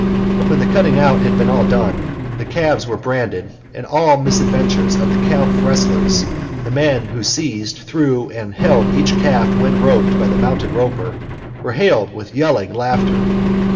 When the cutting out had all been done, the calves were branded, and all misadventures of the "calf wrestlers," the men who seized, threw, and held each calf when roped by the mounted roper, were hailed with yelling laughter.